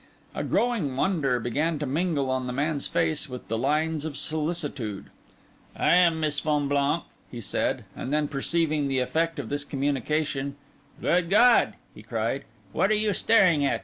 A growing wonder began to mingle on the man's face with the lines of solicitude. 'I am Miss Fonblanque,' he said; and then, perceiving the effect of this communication, 'Good God!' he cried, 'what are you staring at?